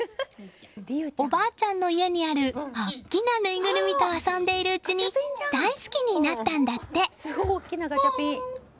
おばあちゃんの家にある大きなぬいぐるみと遊んでいるうちに大好きになったんだって。